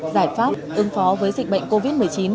giải pháp ứng phó với dịch bệnh covid một mươi chín